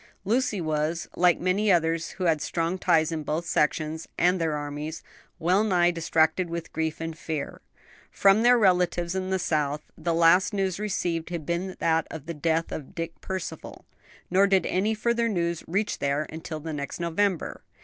Lucy was, like many others who had strong ties in both sections and their armies, well nigh distracted with grief and fear. From their relatives in the South the last news received had been that of the death of Dick Percival, nor did any further news reach there until the next November.